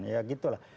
ya gitu lah